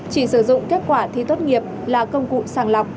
chỉ sử dụng kết quả thi tốt nghiệp là công cụ sàng lọc